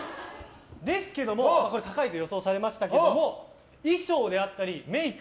ですけども高いと予想されましたけども衣装であったりメイク